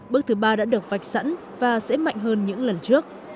bước thứ ba đã được vạch sẵn và sẽ mạnh hơn những lần trước